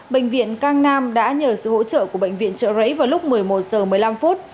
bệnh viện cang nam đã nhờ sự hỗ trợ của bệnh viện trợ rẫy vào lúc một mươi một giờ một mươi năm phút